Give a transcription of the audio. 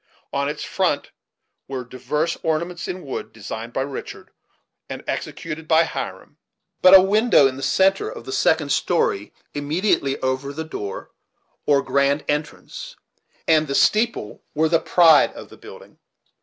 On its front were divers ornaments in wood, designed by Richard and executed by Hiram; but a window in the centre of the second story, immediately over the door or grand entrance, and the "steeple" were the pride of the building.